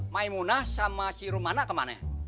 maimunah sama si rumana ke mana